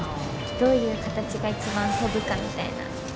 どういう形が一番飛ぶかみたいな。